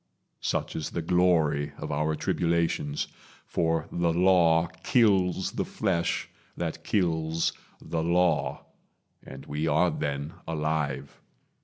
Such is the glory of our tribulations; For the Law kills the flesh that kills the Law, And we are then alive.